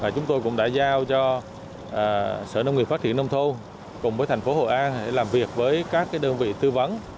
chúng tôi cũng đã giao cho sở nông nghiệp phát triển nông thôn cùng với thành phố hội an làm việc với các đơn vị tư vấn